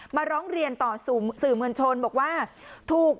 มาร้องเรียนต่อสื่อมวลชนบอกว่าถูก